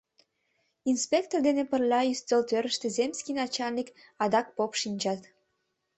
Инспектор дене пырля ӱстел тӧрыштӧ земский начальник, адак поп шинчат.